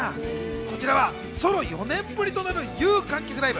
こちらはソロ４年ぶりとなる有観客ライブ。